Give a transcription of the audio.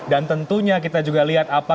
dan tentunya kita juga lihat apa